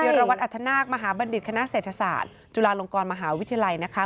รวัตอัธนาคมหาบัณฑิตคณะเศรษฐศาสตร์จุฬาลงกรมหาวิทยาลัยนะคะ